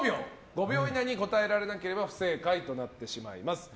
５秒以内に答えられなければ不正解となってしまいます。